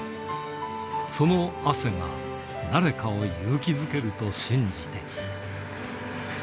その汗が誰かを勇気づけると信じて。